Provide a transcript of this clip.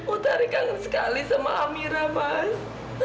utari kangen sekali sama amira mas